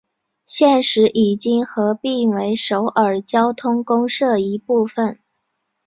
现时已经合并为首尔交通公社一部分。